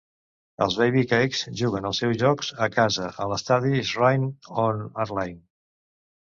Els Baby Cakes juguen els seus jocs a casa a l'estadi Shrine on Airline.